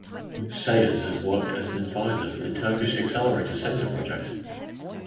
Sayers has worked as an advisor for the Turkish Accelerator Center Project.